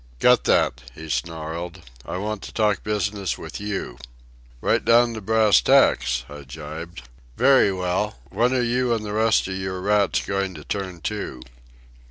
"Cut that," he snarled. "I want to talk business with you." "Right down to brass tacks," I gibed. "Very well, when are you and the rest of your rats going to turn to?"